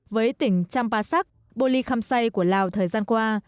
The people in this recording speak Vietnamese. với tỉnh champasak boli kham say của lào thời gian qua